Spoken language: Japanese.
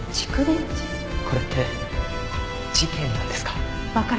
これって事件なんですか？